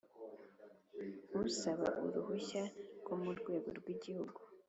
Usaba uruhushya rwo mu rwego rw Igihugu